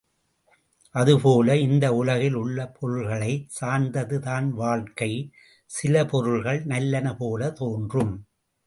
அதுபோல, இந்த உலகில் உள்ள பொருள்களைச் சார்ந்தது தான் வாழ்க்கை, சில பொருள்கள் நல்லன போலத் தோன்றும்!